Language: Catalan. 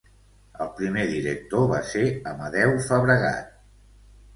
El primer director va ser Amadeu Fabregat.